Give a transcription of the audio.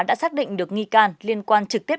đã xác định được nghi can liên quan trực tiếp